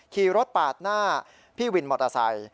ขี่รถปาดหน้าพี่วินมอเตอร์ไซค์